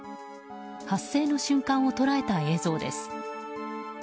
発生の瞬間を捉えた映像です。